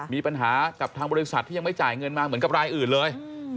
มีปัญหากับทางบริษัทที่ยังไม่จ่ายเงินมาเหมือนกับรายอื่นเลย